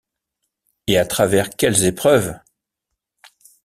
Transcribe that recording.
Et à travers quelles épreuves!